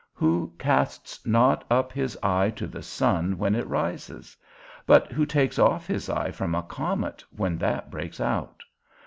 Who casts not up his eye to the sun when it rises? but who takes off his eye from a comet when that breaks out?